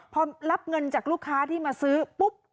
พอรับเงินจากลูกค้าที่มาซื้อปุ๊บ